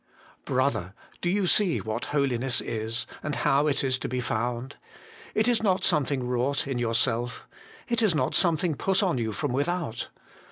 Brother ! do you see what holiness is, and how it is to be found ? It is not something wrought in yourself. It is not something put on you from without.